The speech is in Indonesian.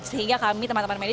sehingga kami teman teman media